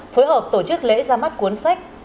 phối hợp tổ chức lễ ra mắt cuốn sách